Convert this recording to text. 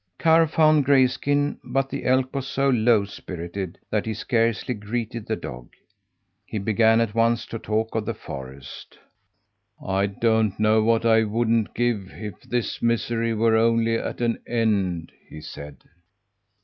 Karr found Grayskin, but the elk was so low spirited that he scarcely greeted the dog. He began at once to talk of the forest. "I don't know what I wouldn't give if this misery were only at an end!" he said.